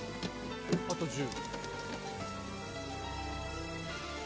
あと１０。